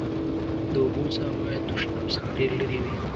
د اوبو څاه باید تشناب څخه ډېر لېري وي.